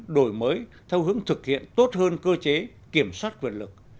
đổi mới theo hướng thực hiện tốt hơn cơ chế kiểm soát quyền lực